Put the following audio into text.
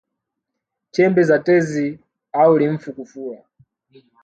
Chembe za tezi au limfu kufura